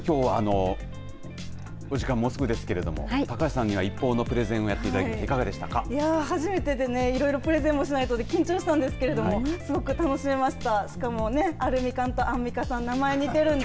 今日お時間もうすぐですけれども高橋さんにはＩＰＰＯＵのプレゼン、やっていただきましたが初めてでねプレゼンもしないとと緊張したんですがすごく楽しめました。